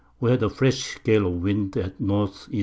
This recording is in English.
We had a fresh Gale of Wind at N. E.